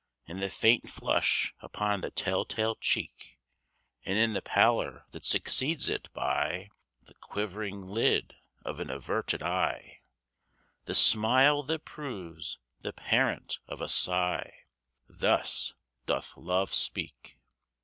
In the faint flush upon the tell tale cheek, And in the pallor that succeeds it; by The quivering lid of an averted eye The smile that proves the parent of a sigh: Thus doth Love speak.